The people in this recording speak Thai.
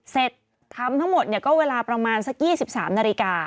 เสร็จทำทั้งหมดก็เวลาประมาณสัก๒๓นาฬิกา